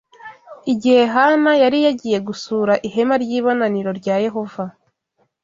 igihe Hana yari yagiye gusura ihema ry’ibonaniro rya Yehova